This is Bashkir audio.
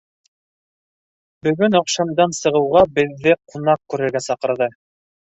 Бөгөн аҡшамдан сығыуға беҙҙе ҡунаҡ күрергә саҡырҙы.